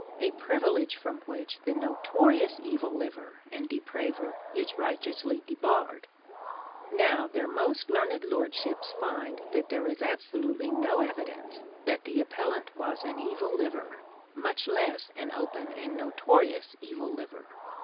a privilege from which the notorious evil liver and depraver is righteously debarred. Now, their most learned lordships find that there is absolutely no evidence that the appellant was an evil liver, much less an open and notorious evil liver.